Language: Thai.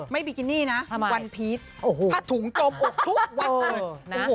ไม่บิกินินะวันพีชผ้าถุงตบออกทุกวันนะโอ้โห